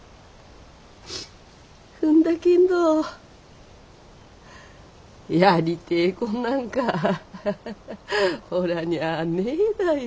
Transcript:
ふんだけんどやりてえこんなんかおらにはねえだよ。